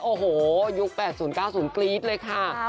โอ้โหยุค๘๐๙๐กรี๊ดเลยค่ะ